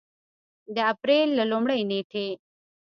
د اپرېل له لومړۍ نېټې